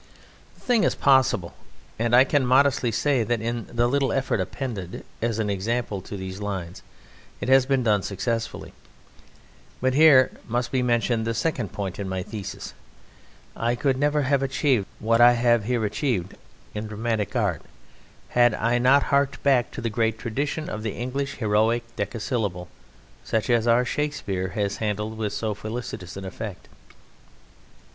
The thing is possible: and I can modestly say that in the little effort appended as an example to these lines it has been done successfully; but here must be mentioned the second point in my thesis I could never have achieved what I have here achieved in dramatic art had I not harked back to the great tradition of the English heroic decasyllable such as our Shakespeare has handled with so felicitous an effect.